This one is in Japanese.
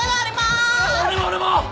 俺も俺も！